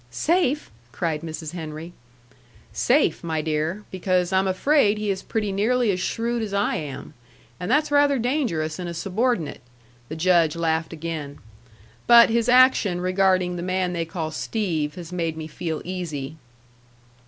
"Safe!" cried Mrs. Henry. "Safe, my dear. Because I'm afraid he is pretty nearly as shrewd as I am. And that's rather dangerous in a subordinate." The Judge laughed again. "But his action regarding the man they call Steve has made me feel easy."